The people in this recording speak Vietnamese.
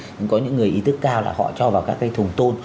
nhưng có những người ý tức cao là họ cho vào các cái thùng tôn